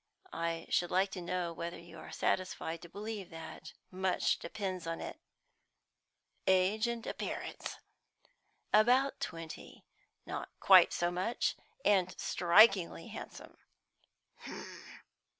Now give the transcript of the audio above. I should like to know whether you are satisfied to believe that; much depends on it." "Age and appearance?" "About twenty not quite so much and strikingly handsome."